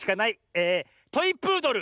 えトイプードル。